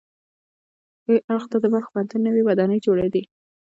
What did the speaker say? ښي اړخ ته د بلخ پوهنتون نوې ودانۍ جوړې دي.